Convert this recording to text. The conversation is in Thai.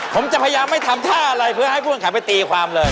ผมจะพยายามไม่ทำท่าอะไรเพื่อให้ผู้แข่งขันไปตีความเลย